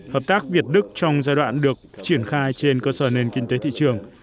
hợp tác việt đức trong giai đoạn được triển khai trên cơ sở nền kinh tế thị trường